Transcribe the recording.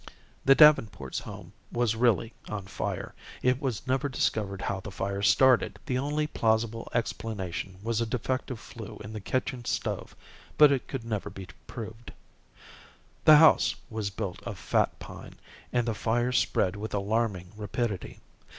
The Davenports' home was really on fire. It was never discovered how the fire started. The only plausible explanation was a defective flue in the kitchen stove, but it could never be proved. The house was built of fat pine, and the fire spread with alarming rapidity.